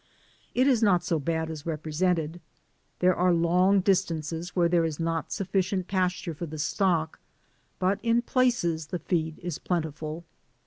It is not so bad as represented. There are long distances where there is not sufficient pasture for the stock, but in places the feed is plentiful.